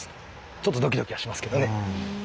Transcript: ちょっとドキドキはしますけどね。